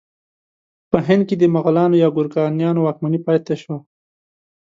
په هند کې د مغلانو یا ګورکانیانو واکمني پاتې شوه.